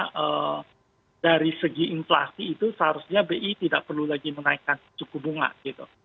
karena dari segi inflasi itu seharusnya bi tidak perlu lagi menaikkan suku bunga gitu